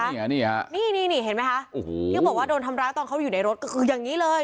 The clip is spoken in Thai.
นี่ฮะนี่นี่เห็นไหมคะโอ้โหที่เขาบอกว่าโดนทำร้ายตอนเขาอยู่ในรถก็คืออย่างนี้เลย